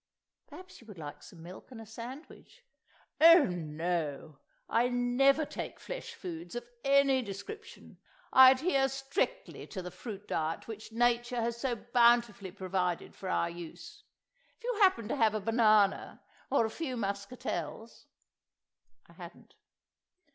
"Perhaps you would like some milk and a sandwich?" "Oh, no! I never take flesh foods of any description. I adhere strictly to the fruit diet which Nature has so bountifully provided for our use. If you happen to have a banana, or a few muscatels——" I hadn't.